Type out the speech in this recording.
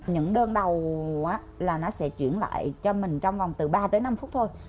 những đơn đầu là nó sẽ chuyển lại cho mình trong vòng từ ba tới năm phút thôi